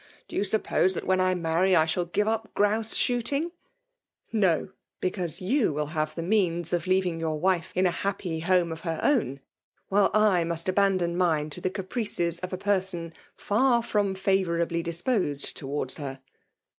— ^Do you suppose that when I marry, I shall give up gprouse shootiBg ?^'' No !— Because jfou will hare the means of leaving your wife in a happy home of her own, while I must abandon mine to the caprices of a person far from favourably disposed towards her."